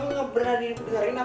ngeberan diikuti harian apa